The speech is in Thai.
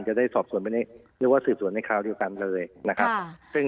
จะได้สอบสวนไปเรียกว่าสืบสวนในคราวเดียวกันเลยนะครับ